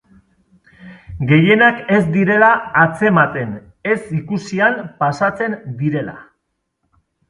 Gehienak ez direla atzematen, ez-ikusian pasatzen direla.